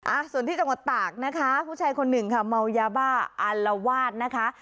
อ่าส่วนที่จังหวัดตากนะคะผู้ชายคนหนึ่งค่ะเมายาบ้าอารวาสนะคะ